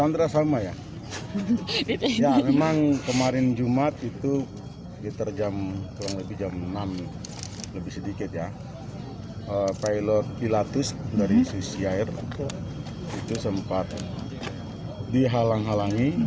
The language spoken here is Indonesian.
dari susi air itu sempat dihalang halangi